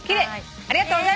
ありがとうございます！